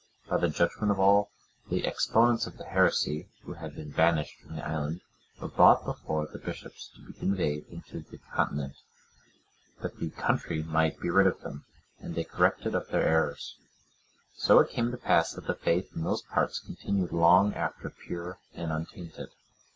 By the judgement of all, the exponents of the heresy, who had been banished from the island, were brought before the bishops, to be conveyed into the continent, that the country might be rid of them, and they corrected of their errors. So it came to pass that the faith in those parts continued long after pure and untainted.